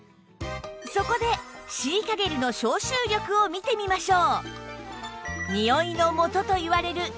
そこでシリカゲルの消臭力を見てみましょう